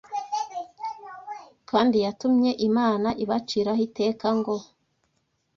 kandi yatumye Imana ibaciraho iteka ngo